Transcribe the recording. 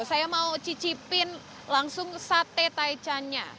saya mau cicipin langsung sate taichannya